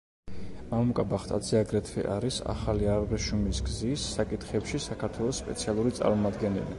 მამუკა ბახტაძე აგრეთვე არის „ახალი აბრეშუმის გზის“ საკითხებში საქართველოს სპეციალური წარმომადგენელი.